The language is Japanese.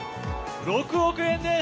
６億円です！